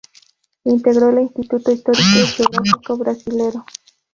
Integró el Instituto Histórico y Geográfico Brasilero.